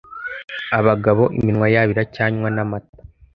abagabo iminwa yabo iracyanywa n'amata